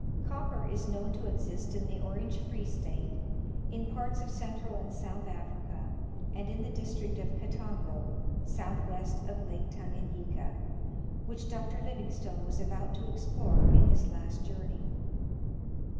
Copper is known to exist in the Orange Free State, in parts of Central and South Africa, and in the district of Katongo, south west of Lake Tanganyika, which Dr. Livingstone was about to explore in his last journey.